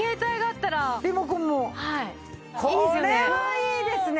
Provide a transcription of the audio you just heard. いいですよね。